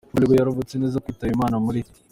Papa Leo X yaravutse aza kwitaba Imana muri .